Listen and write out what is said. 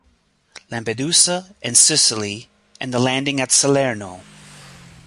Lampedusa and Sicily, and the landing at Salerno.